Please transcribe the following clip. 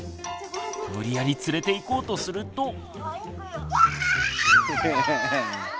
無理やり連れていこうとすると。